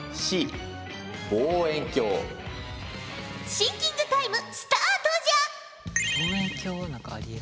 シンキングタイムスタートじゃ！